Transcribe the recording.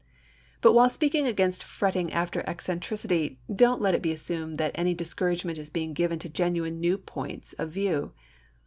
But while speaking against fretting after eccentricity, don't let it be assumed that any discouragement is being given to genuine new points of view.